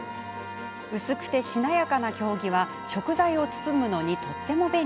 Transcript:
薄くてしなやかな経木は食材を包むのに、とっても便利。